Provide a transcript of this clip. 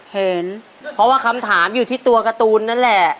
เห็นเพราะว่าคำถามอยู่ที่ตัวการ์ตูนนั่นแหละ